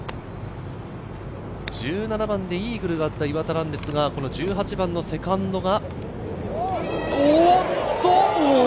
１７番でイーグルだった岩田ですが、１８番のセカンドは。